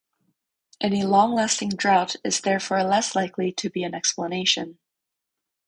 Any long-lasting drought is therefore less likely to be an explanation.